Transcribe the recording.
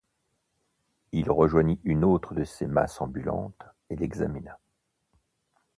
Il rejoignit une autre de ces masses ambulantes, et l'examina.